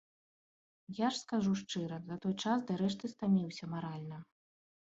Я ж, скажу шчыра, за той час дарэшты стаміўся маральна.